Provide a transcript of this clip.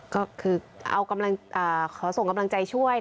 ก็คือขอส่งกำลังใจช่วยค่ะ